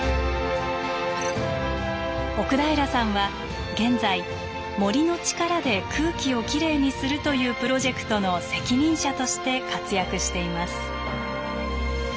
奥平さんは現在森の力で空気をきれいにするというプロジェクトの責任者として活躍しています。